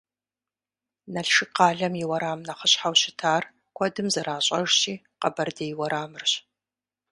Налшык къалэм и уэрам нэхъыщхьэу щытар, куэдым зэращӏэжщи, Къэбэрдей уэрамырщ.